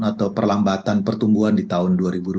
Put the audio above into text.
atau perlambatan pertumbuhan di tahun dua ribu dua puluh